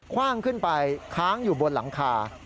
ว่างขึ้นไปค้างอยู่บนหลังคา